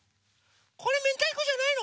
これめんたいこじゃないの？